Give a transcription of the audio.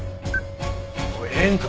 おいええんか？